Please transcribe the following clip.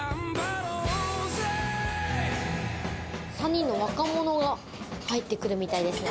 ３人の若者が入ってくるみたいですね。